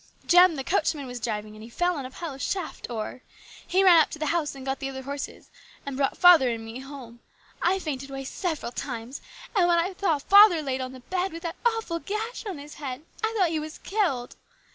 Jem the coachman was driving, and he fell on a pile of shaft ore. He ran up to the house and got the other horses, and brought father and me home. I fainted away several times, and when I saw father laid on the bed with that awful gash on his head, I thought he was killed.